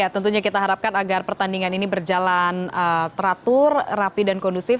tentunya kita harapkan agar pertandingan ini berjalan teratur rapi dan kondusif